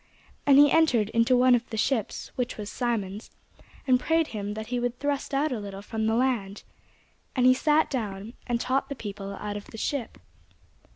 And he entered into one of the ships, which was Simon's, and prayed him that he would thrust out a little from the land. And he sat down, and taught the people out of the ship.